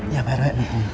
ya pak rw